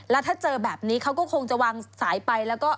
แล้วถ้าเจอแบบนี้เขาก็คงจะวางสายไปแล้วก็